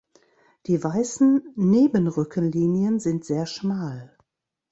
Die weißen Nebenrückenlinien sind sehr schmal.